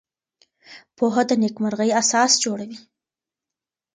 پوهه د نېکمرغۍ اساس جوړوي.